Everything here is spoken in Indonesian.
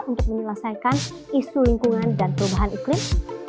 untuk menyelesaikan isu lingkungan dan perubahan iklim